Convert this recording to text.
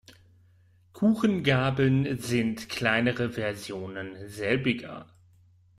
Kuchengabeln sind kleinere Versionen selbiger.